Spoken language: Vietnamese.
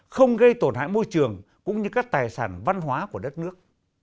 không gây tổn hại môi trường cũng như các tài sản văn hóa của đất nước